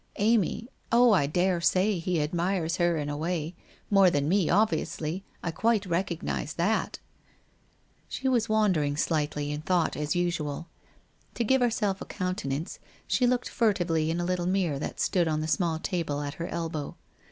Amy — oh, I daresay, he admires her, in a way, more than me, obviously — I quite recognize that ' She was wandering slightly in thought, as usual. To give herself a countenance, she looked furtively in a little mirror that stood on the small table at her elbow.